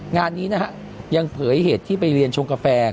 งานนี้นะฮะยังเผยเหตุที่ไปเรียนชงกาแฟ